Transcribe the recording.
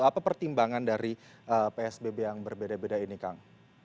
apa pertimbangan dari psbb yang berbeda beda ini kang